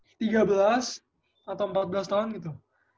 itu waktu umur tiga belas atau empat belas tahun gitu